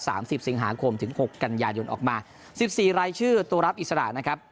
สิบสิงหาคมถึงหกกันยายนออกมาสิบสี่รายชื่อตัวรับอิสระนะครับ